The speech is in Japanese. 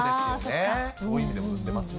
そういう意味でも打てますね。